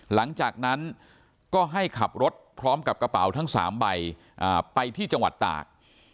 หลังจากนั้นก็ให้ขับรถพร้อมกับกระเป๋าทั้ง๓ใบไปที่จังหวัดตาก